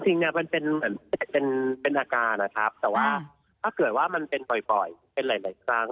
จริงมันเป็นอาการนะครับแต่ว่าถ้าเกิดว่ามันเป็นบ่อยครั้ง